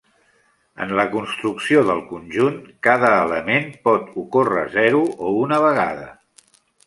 En la construcció del conjunt, cada element pot ocórrer zero o una vegada.